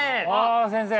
先生！